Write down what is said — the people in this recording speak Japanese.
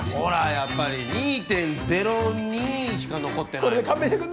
やっぱり２．０２しか残ってないもん